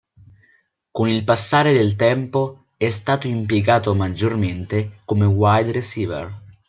Con il passare del tempo è stato impiegato maggiormente come wide receiver.